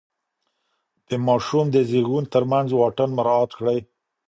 د ماشوم د زیږون ترمنځ واټن مراعات کړئ.